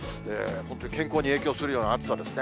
本当に健康に影響するような暑さですね。